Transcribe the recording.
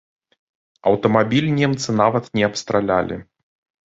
Аўтамабіль немцы нават не абстралялі!